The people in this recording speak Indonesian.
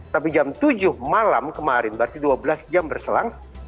tapi jam tujuh malam kemarin berarti dua belas jam berselang